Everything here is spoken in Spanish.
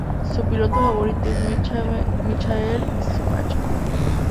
Su piloto favorito es Michael Schumacher.